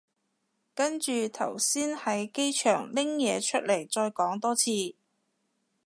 跟住頭先喺機場拎嘢出嚟再講多次